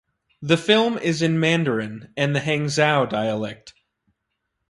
The film is in Mandarin and the Hangzhou dialect.